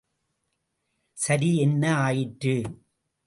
சரி என்ன ஆயிற்று?